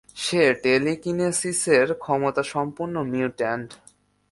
সে টেলিকিনেসিসের ক্ষমতাসম্পন্ন মিউট্যান্ট।